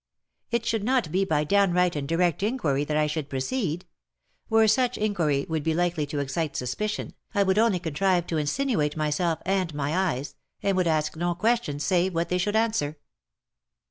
It should not be by downright and direct inquiry that I should proceed. Where such inquiry would be likely to excite suspicion, I would only contrive to insinuate myself and my eyes, and would ask no questions save what they should answer."